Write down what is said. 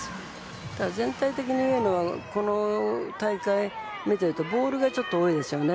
ただ、全体的に上野はこの大会を見ているとボールがちょっと多いですよね。